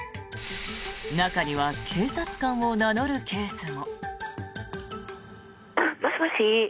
中には警察官を名乗るケースも。